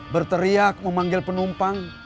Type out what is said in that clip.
berteriak memanggil penumpang